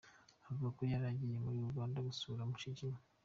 Avuga ko yari agiye muri Uganda gusura mushiki we.